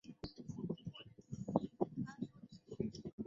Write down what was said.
郭荣宗。